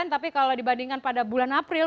tapi kalau dibandingkan pada bulan april